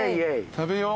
食べよう。